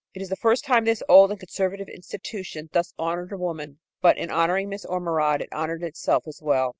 It was the first time this old and conservative institution thus honored a woman, but in honoring Miss Ormerod it honored itself as well.